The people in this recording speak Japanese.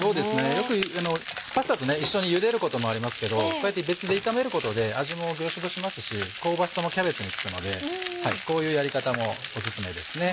よくパスタと一緒に茹でることもありますけどこうやって別で炒めることで味も凝縮しますし香ばしさもキャベツにつくのでこういうやり方もおすすめですね。